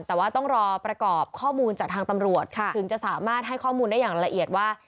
แต่ว่าต้องรอประกอบข้อมูลจากทางตำรวจถึงจะสามารถให้ข้อมูลได้อย่างละเอียดว่า